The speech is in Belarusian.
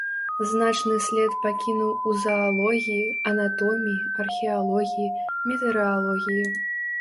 Значны след пакінуў у заалогіі, анатоміі, археалогіі, метэаралогіі.